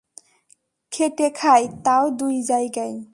খেটে খাই, তাও দুই জায়গায়।